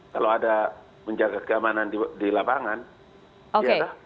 kalau ada menjaga keamanan di lapangan ya dah